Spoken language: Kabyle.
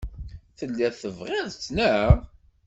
Telliḍ tebɣiḍ-tt, naɣ?